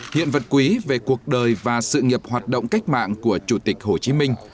hiện vật quý về cuộc đời và sự nghiệp hoạt động cách mạng của chủ tịch hồ chí minh